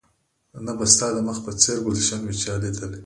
نه به ستا د مخ په څېر ګلش وي چا ليدلى